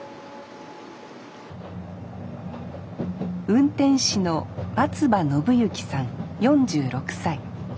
運転士の松葉伸行さん４６歳。